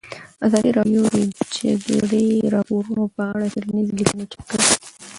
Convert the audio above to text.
ازادي راډیو د د جګړې راپورونه په اړه څېړنیزې لیکنې چاپ کړي.